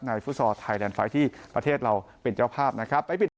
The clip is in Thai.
ฟุตซอลไทยแดนไฟท์ที่ประเทศเราเป็นเจ้าภาพนะครับ